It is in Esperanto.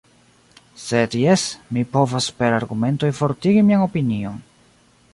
Sed jes, mi povas per argumentoj fortigi mian opinion.